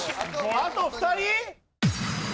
あと２人！？